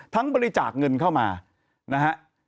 บริจาคเงินเข้ามานะฮะ